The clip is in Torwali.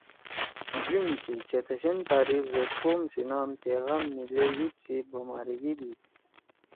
جون سی چتشم تاریخ زید قوم سی نام پیغام می لیؤ عید سی بُماریِگی دیِد